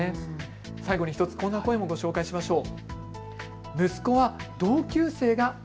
最後に１つ、こんな声もご紹介しましょう。